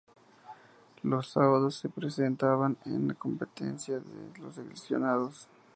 Los sábados se presentaban en competencia los seleccionados.